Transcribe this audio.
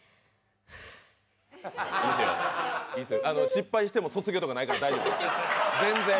失敗しても卒業とかないから大丈夫。